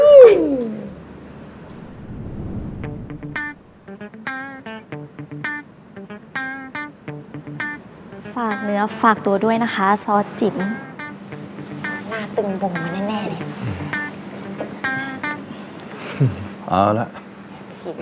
ฝากเนื้อฝากตัวด้วยนะคะซอสจิ๋ม